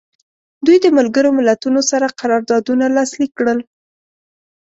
دوی د ملګرو ملتونو سره قراردادونه لاسلیک کړل.